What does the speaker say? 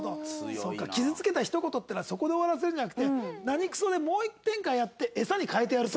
そうか傷つけたひと言っていうのはそこで終わらせるんじゃなくて何くそでもう一転換やってエサに変えてやると。